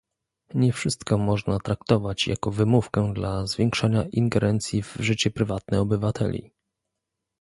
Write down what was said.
Nie wszystko można traktować jako wymówkę dla zwiększania ingerencji w życie prywatne obywateli